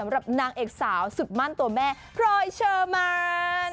สำหรับนางเอกสาวสุดมั่นตัวแม่พรอยเชอร์มัน